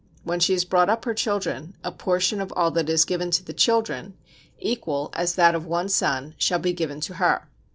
When she has brought up her children, a portion of all that is given to the children, equal as that of one son, shall be given to her.